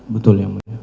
betul ya mulia